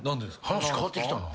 話変わってきたな。